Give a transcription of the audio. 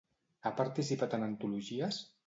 Ha participat en antologies?